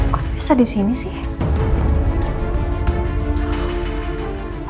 kok bisa disini sih